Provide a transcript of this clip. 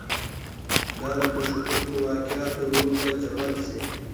دا د پېښېدونکو واقعاتو رول به جوت شي.